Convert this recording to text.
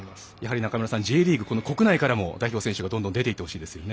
中村さん、やはりＪリーグ、国内からも代表選手がどんどん出てほしいですね。